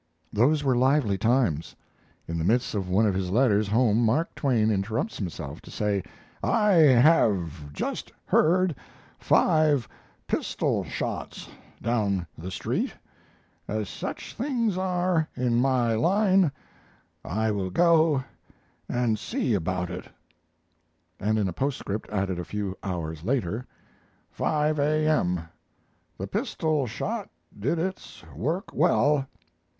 Those were lively times. In the midst of one of his letters home Mark Twain interrupts himself to say: "I have just heard five pistol shots down the street as such things are in my line, I will go and see about it," and in a postscript added a few hours later: 5 A.M. The pistol shot did its work well.